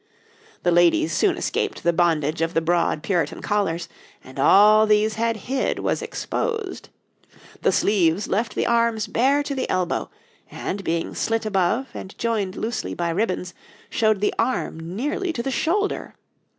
The ladies soon escaped the bondage of the broad Puritan collars, and all these had hid was exposed. The sleeves left the arms bare to the elbow, and, being slit above and joined loosely by ribbons, showed the arm nearly to the shoulder.